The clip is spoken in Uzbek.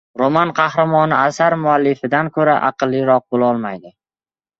— Roman qahramoni asar muallifidan ko‘ra aqlliroq bo‘lolmaydi.